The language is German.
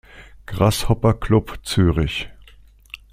Grasshopper Club Zürich